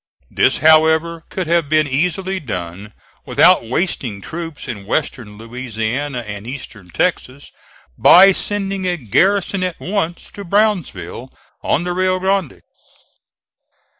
This, however, could have been easily done without wasting troops in western Louisiana and eastern Texas, by sending a garrison at once to Brownsville on the Rio Grande.